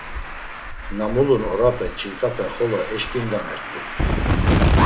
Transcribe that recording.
Na mulun orape Ç̌inǩape xolo eşǩindanert̆u.